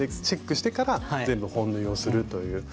チェックしてから全部本縫いをするという。